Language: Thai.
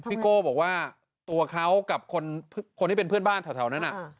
โก้บอกว่าตัวเขากับคนที่เป็นเพื่อนบ้านแถวนั้น